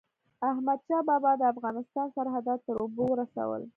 احمدشاه بابا د افغانستان سرحدات تر اوبو ورسول.